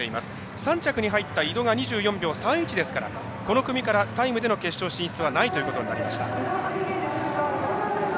３着に入った、井戸が２３秒３１ですからこの組からタイムでの決勝進出はないということになりました。